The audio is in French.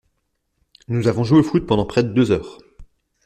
Nous avons joué au foot pendant près de deux heures.